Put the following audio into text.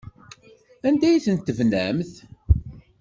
Anda ay ten-tebnamt?